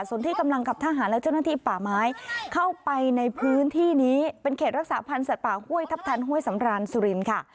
ส่วนที่กำลังกับทหารและเจ้าหน้าที่ป่าไม้เข้าไปในพื้นที่นี้เป็นเขตรักษาพันธ์สัตว์ป่าห้วยทัพทันห้วยสำรานสุรินค่ะ